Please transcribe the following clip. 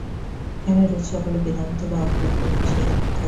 এখানে রোজ সকালে বেদান্ত বা অপরাপর বিষয়ে শিক্ষা দিয়ে থাকি।